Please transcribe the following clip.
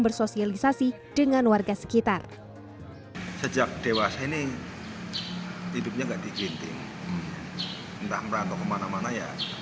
bersosialisasi dengan warga sekitar sejak dewasa ini hidupnya enggak dikiting entah merata kemana mana